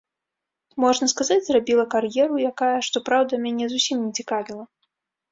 Можна сказаць, зрабіла кар'еру, якая, што праўда, мяне зусім не цікавіла.